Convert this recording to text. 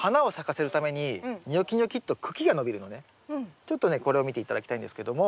ちょっとねこれを見て頂きたいんですけども。